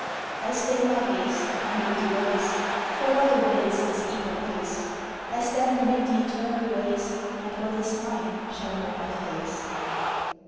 I stay my haste, I make delays, For what avails this eager pace? I stand amid the eternal ways, And what is mine shall know my face.